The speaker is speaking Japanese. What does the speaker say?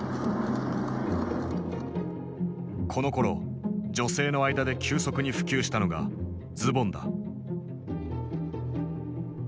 このころ女性の間で急速に普及したのがズボンだ。